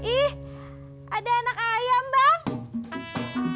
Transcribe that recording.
ih ada anak ayam bang